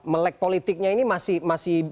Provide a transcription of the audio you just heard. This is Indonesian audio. melek politiknya ini masih